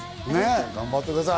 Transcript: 頑張ってください。